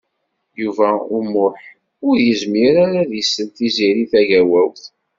Yuba U Muḥ ur yezmir ara ad isell i Tiziri Tagawawt.